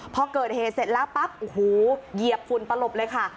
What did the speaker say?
พอเกิดเหตุเสร็จแล้วปั๊บโอ้โหเหยียบฝุ่นตลบเลยค่ะ